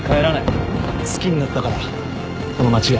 好きになったからこの街が。